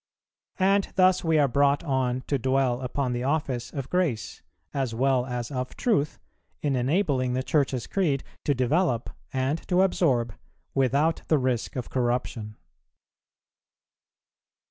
And thus we are brought on to dwell upon the office of grace, as well as of truth, in enabling the Church's creed to develope and to absorb without the risk of corruption.